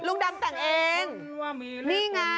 ดำแต่งเองนี่ไง